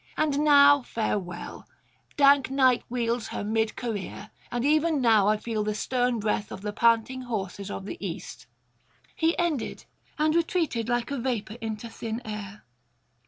And now farewell; dank Night wheels her mid career, and even now I feel the stern breath of the panting horses of the East.' He ended, and retreated like a vapour into thin air.